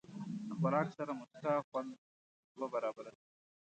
له خوراک سره موسکا، خوند دوه برابره کوي.